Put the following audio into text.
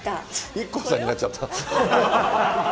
ＩＫＫＯさんになっちゃった。